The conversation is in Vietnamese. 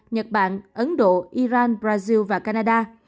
nhật bản ấn độ iran brazil và canada